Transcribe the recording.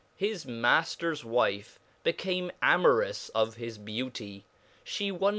His Mafters wife became amorous of his beaut}/, llieone.